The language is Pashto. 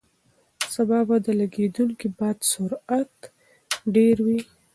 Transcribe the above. سبا به د لګېدونکي باد سرعت ډېر وي.